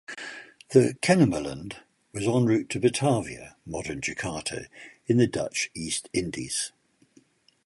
The "Kennemerland" was en route to Batavia (modern Jakarta) in the Dutch East Indies.